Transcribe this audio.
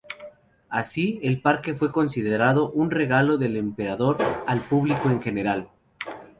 Así, el parque fue considerado un regalo del Emperador al público en general.